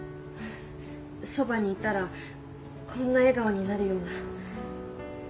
そばにいたらこんな笑顔になるような。